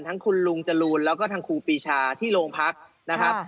ทั้งคุณลุงจรูนแล้วก็ทางครูปีชาที่โรงพักนะครับ